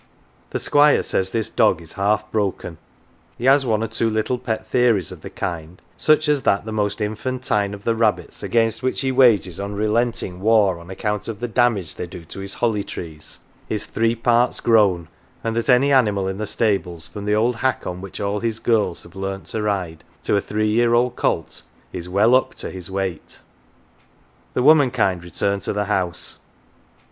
The Squire says this dog is " half broken "" he has one or two little pet theories of the kind, such as that the most infantine of the rabbits against which he wages unrelenting war on 254 MATES account of the damage they do to his holly trees, is "three parts grown, 11 and that any animal in the stables, from the old hack on which all his girls have learnt to ride, to a three year old colt, is " well up to " his weight. The womankind return to the house.